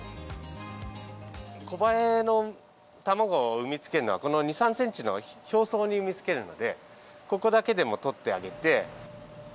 コバエの卵を産みつけるのは、この２、３センチの表層に産みつけるので、ここだけでも取ってあげて。